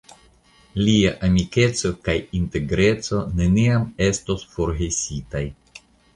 Lia amikeco kaj integreco neniam estos forgesitaj.